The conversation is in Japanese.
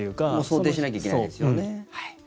想定しなきゃいけないですよね。